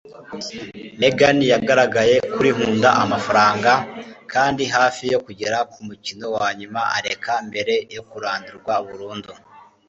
Megan yagaragaye kuri VH Nkunda Amafaranga kandi hafi yo kugera kumukino wanyuma, areka mbere yo kurandurwa burundu.